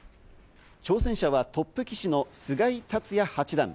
挑戦者はトップ棋士の菅井竜也八段。